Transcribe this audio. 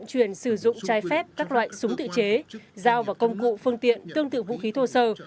để giải phép các loại súng tự chế dao và công cụ phương tiện tương tự vũ khí thô sơ